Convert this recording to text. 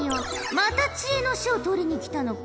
また知恵の書を取りに来たのか？